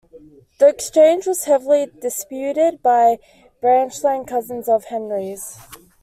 The exchange was heavily disputed by branch line cousins of Henry's.